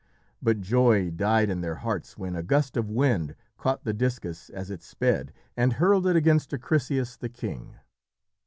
But joy died in their hearts when a gust of wind caught the discus as it sped and hurled it against Acrisius, the king.